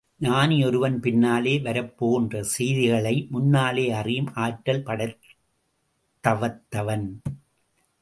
ஞானி ஒருவன் பின்னாலே வரப் போகின்ற செய்திகளை முன்னாலே அறியும் ஆற்றல் படைத்தவத்தவன்.